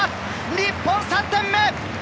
日本３点目！